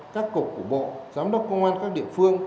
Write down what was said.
các cục của bộ giám đốc công an các địa phương